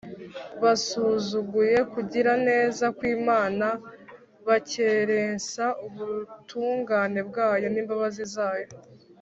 basuzuguye ukugira neza kw’imana, bakerensa ubutungane bwayo n’imbabazi zayo